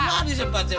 emang disempat sempatin